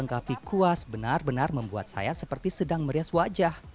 menanggapi kuas benar benar membuat saya seperti sedang merias wajah